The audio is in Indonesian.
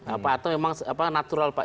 apa atau memang apa natural pak